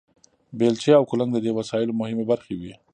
بیلچې او کلنګ د دې وسایلو مهمې برخې وې.